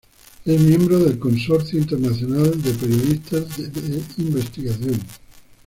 Es miembro del Consorcio Internacional de Periodistas de Investigación.